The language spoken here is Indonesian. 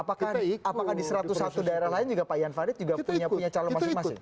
apakah di satu ratus satu daerah lain pak yafari juga punya calon masing masing